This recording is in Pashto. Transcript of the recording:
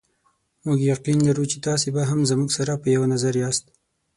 موږ یقین لرو چې تاسې به هم زموږ سره په یوه نظر یاست.